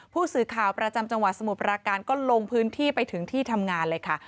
ผู้สื่อข่าวประจำจังหวัดสมุทรปราการก็ลงพื้นที่ไปถึงที่ทำงานเลยค่ะ